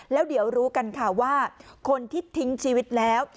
แล้วเดี๋ยวรู้กันค่ะว่าคนที่ทิ้งชีวิตแล้ว